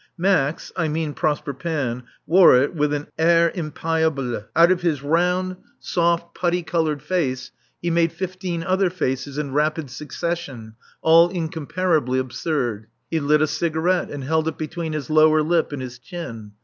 Max I mean Prosper Panne wore it with an "air impayable." Out of his round, soft, putty coloured face he made fifteen other faces in rapid succession, all incomparably absurd. He lit a cigarette and held it between his lower lip and his chin.